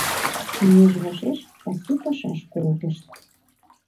Кеҥеж вашеш пасу пашаш колтышт.